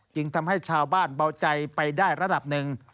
จึงทำให้ชาวบ้านเบาใจไปได้ระดับหนึ่ง